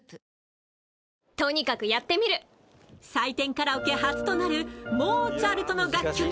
カラオケ初となるモーツァルトの楽曲